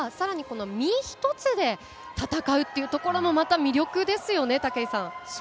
特に競泳はさらに身一つで戦うというところもまた魅力ですよね。